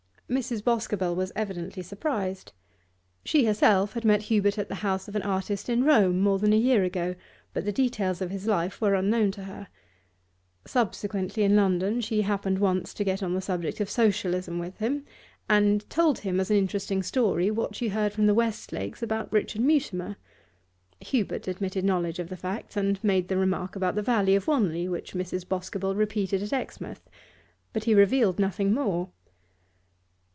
Mrs. Boscobel was evidently surprised. She herself had met Hubert at the house of an artist in Rome more than a year ago, but the details of his life were unknown to her. Subsequently, in London, she happened once to get on the subject of Socialism with him, and told him, as an interesting story, what she heard from the Westlakes about Richard Mutimer. Hubert admitted knowledge of the facts, and made the remark about the valley of Wanley which Mrs. Boscobel repeated at Exmouth, but he revealed nothing more.